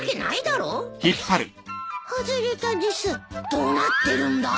どうなってるんだ？